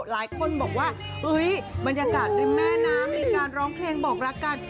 หลายคนบอกว่าเฮ้ยบรรยากาศริมแม่น้ำมีการร้องเพลงบอกรักกัน